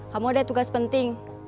kamu udah tugas penting